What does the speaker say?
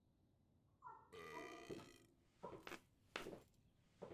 筥崎宫是位在日本福冈县福冈市东区的神社。